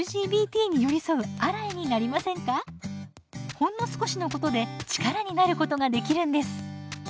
ほんの少しのことで力になることができるんです。